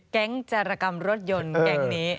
จรกรรมรถยนต์แก๊งนี้